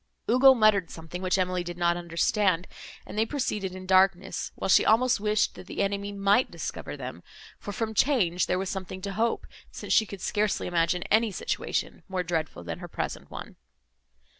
Ugo muttered something, which Emily did not understand, and they proceeded in darkness, while she almost wished, that the enemy might discover them; for from change there was something to hope, since she could scarcely imagine any situation more dreadful than her present one.